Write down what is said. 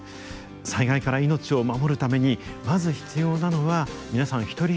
災害から命を守るためにまず必要なのは皆さん一人一人の備えです。